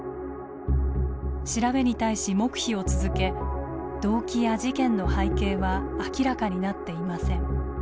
調べに対し黙秘を続け動機や事件の背景は明らかになっていません。